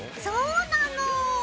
そうなの！